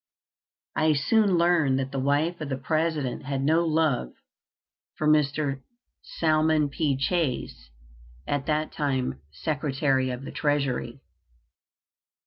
I soon learned that the wife of the President had no love for Mr. Salmon P. Chase, at that time Secretary of the Treasury.